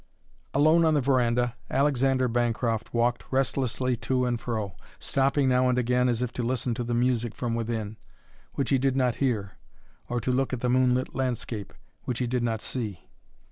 Alone on the veranda, Alexander Bancroft walked restlessly to and fro, stopping now and again as if to listen to the music from within, which he did not hear, or to look at the moonlit landscape, which he did not see.